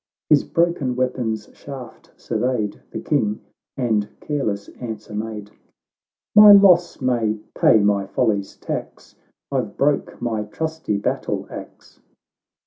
His broken weapon's shaft surveyed The King, and careless answer made,— " My loss may pay my folly's tax ; I've broke my trusty battle axe."